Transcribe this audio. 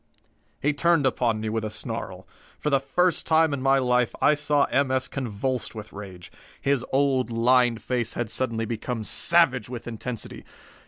He turned upon me with a snarl. For the first time in my life I saw M. S. convulsed with rage. His old, lined face had suddenly become savage with intensity.